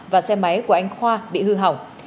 và xe máy của anh khoa bị hư hỏng